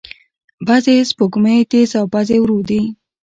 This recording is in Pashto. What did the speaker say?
بعضې سپوږمۍ تیز او بعضې ورو دي.